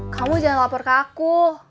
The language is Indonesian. kamu jangan lapor ke aku